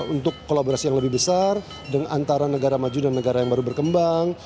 untuk kolaborasi yang lebih besar antara negara maju dan negara yang baru berkembang